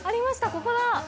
ここだ。